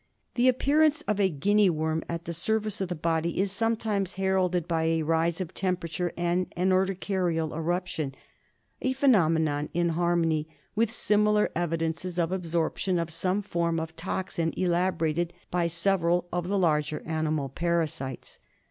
The appearance of a Guinea worm at the surface of the body is sometimes heralded by a rise of temperature and an urticarial eruption, a phenomenon in harmony with similar evidences of absorption of some form of toxine elaborated by several of the larger animal para sites.